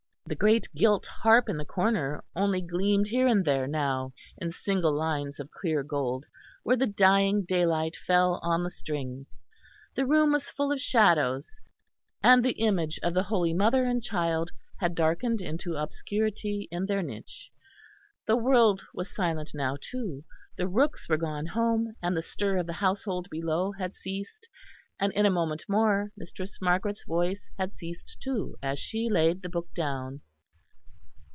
The great gilt harp in the corner only gleamed here and there now in single lines of clear gold where the dying daylight fell on the strings. The room was full of shadows and the image of the Holy Mother and Child had darkened into obscurity in their niche. The world was silent now too; the rooks were gone home and the stir of the household below had ceased; and in a moment more Mistress Margaret's voice had ceased too, as she laid the book down.